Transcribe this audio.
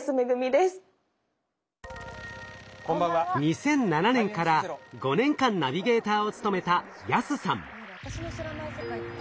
２００７年から５年間ナビゲーターを務めた安さん。